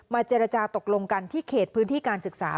เจรจาตกลงกันที่เขตพื้นที่การศึกษา